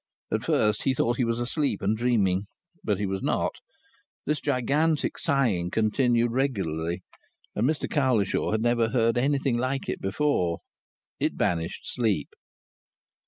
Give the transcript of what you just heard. At first he thought he was asleep and dreaming. But he was not. This gigantic sighing continued regularly, and Mr Cowlishaw had never heard anything like it before. It banished sleep.